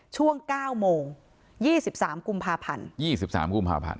ช่วงเก้าโมงยี่สิบสามกุมภาพันธ์ยี่สิบสามกุมภาพันธ์